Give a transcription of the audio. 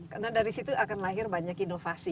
karena dari situ akan lahir banyak inovasi